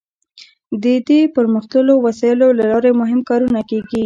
د دې پرمختللو وسایلو له لارې مهم کارونه کیږي.